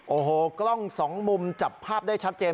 โอ้โหกล้องสองมุมจับภาพได้ชัดเจน